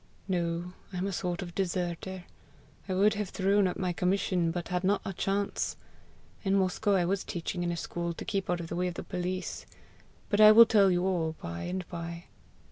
"No; I am a sort of deserter. I would have thrown up my commission, but had not a chance. In Moscow I was teaching in a school to keep out of the way of the police. But I will tell you all by and by."